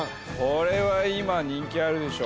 これは今人気あるでしょ。